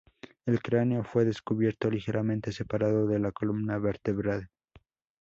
El cráneo fue descubierto ligeramente separado de la columna vertebral.